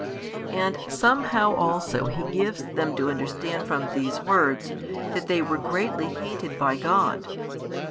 And somehow also He gives them to understand from these words, that they were greatly hated by God.